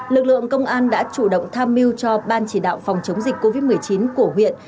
lực lượng công an đã chủ động tham mưu cho ban chỉ đạo phòng chống dịch covid một mươi chín của huyện